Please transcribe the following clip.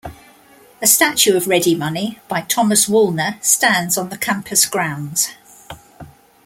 A statue of Readymoney, by Thomas Woolner, stands on the campus grounds.